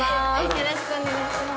よろしくお願いします。